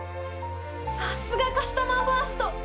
さすがカスタマーファースト！